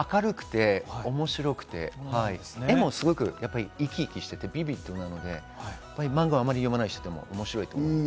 明るくて面白くて、絵もすごく生き生きしていて、ビビットなので、マンガをあまり読まない人でも面白いと思います。